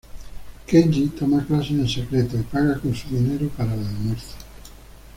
Kenji toma clases en secreto, y paga con su dinero para el almuerzo.